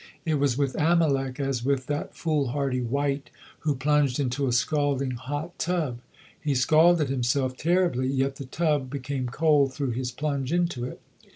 It was with Amalek as with that foolhardy wight who plunged into a scalding hot tub. He scalded himself terribly, yet the tub became cold through his plunge into it.